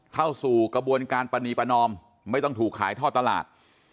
เข้าสู่กระบวนการปรณีประนอมไม่ต้องถูกขายท่อตลาด